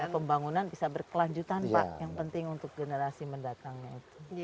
pembangunan bisa berkelanjutan pak yang penting untuk generasi mendatangnya itu